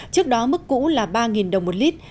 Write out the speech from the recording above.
trước đó mức cũ là ba đồng một lít